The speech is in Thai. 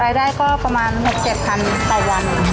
รายได้ก็ประมาณ๖๗๐๐๐บาทแต่วันนี้